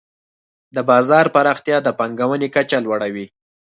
د بازار پراختیا د پانګونې کچه لوړوي.